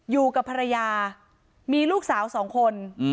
อยู่กับภรรยามีลูกสาวสองคน